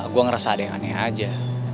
gue ngerasa ada yang aneh aja